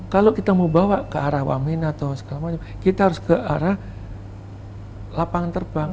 kalau kita mau bawa ke arah wamen atau segala macam kita harus ke arah lapangan terbang